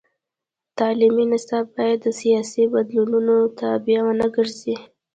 تعلیمي نصاب باید د سیاسي بدلونونو تابع ونه ګرځي.